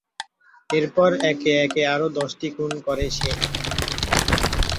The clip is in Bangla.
এরপর একে একে আরো দশটি খুন করে সে।